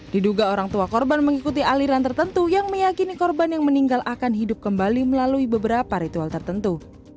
diduga orang tua korban mengikuti aliran tertentu yang meyakini korban yang meninggal akan hidup kembali melalui beberapa ritual tertentu